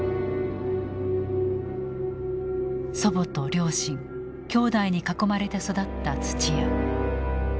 祖母と両親兄弟に囲まれて育った土屋。